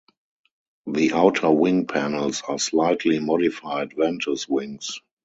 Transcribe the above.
The outer wing panels are slightly modified Ventus wings.